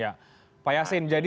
ya pak yassin jadi